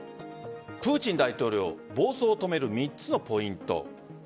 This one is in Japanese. プーチン大統領暴走を止める３つのポイント